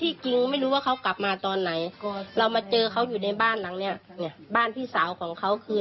วิธีผู้เสียหายแทนจากนางสาวของพีช